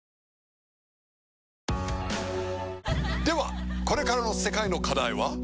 ではこれからの世界の課題は？